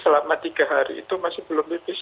selama tiga hari itu masih belum lupis